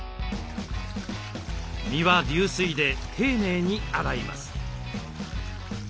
身は流水で丁寧に洗います。